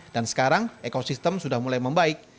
sekarang ekosistem sudah mulai membaik